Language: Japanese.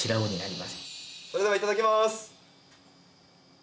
それでは、いただきます。